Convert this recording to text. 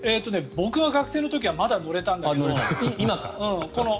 僕が学生の時はまだ乗れたんだけど。